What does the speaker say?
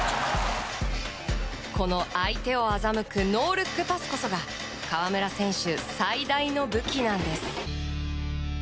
この相手を欺くノールックパスこそが河村選手、最大の武器なんです。